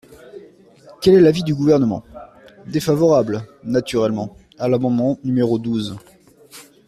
Quel est l’avis du Gouvernement ? Défavorable, naturellement, à l’amendement numéro douze.